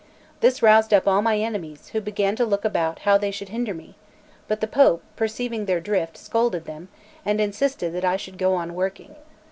This roused up all my enemies, who began to look about how they should hinder me; but the Pope, perceiving their drift, scolded them, and insisted that I should go on working.